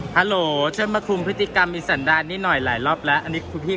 ฮัลโหลช่วยมาคลุมพฤติกรรมมีสันดารนิดหน่อยหลายรอบแล้วอันนี้คุณพี่